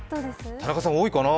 田中さん多いかな？